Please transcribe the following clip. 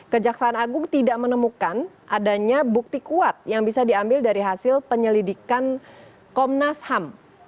kejaksaan agung tidak menemukan adanya bukti kuat yang bisa diambil dari hasil penyelidikan komnas ham